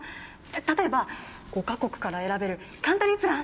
例えば５か国から選べるカントリープラン！